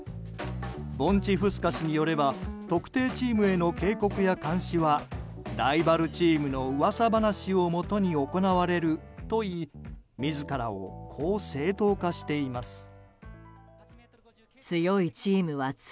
ボンチフスカ氏によれば特定チームへの警告や監視はライバルチームの噂話をもとに行われるといい自らを、こう正当化しています。